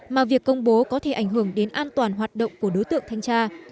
mà việc công bố có thể ảnh hưởng đến an toàn hoạt động của đối tượng thanh tra